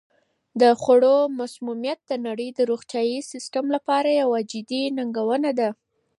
د خوړو مسمومیت د نړۍ د روغتیايي سیستم لپاره یوه جدي ننګونه ده.